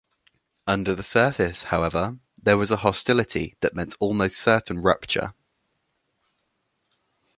Under the surface, however, there was a hostility that meant almost certain rupture.